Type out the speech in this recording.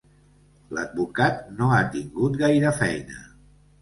L'advocat no ha tingut gaire feina.